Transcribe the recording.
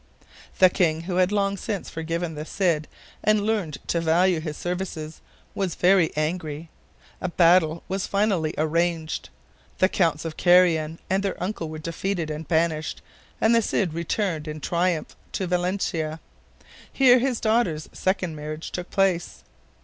The king, who had long since forgiven the Cid and learned to value his services, was very angry. A battle was finally arranged. The Counts of Carrion and their uncle were defeated and banished, and the Cid returned in triumph to Valencia. Here his daughters' second marriage took place.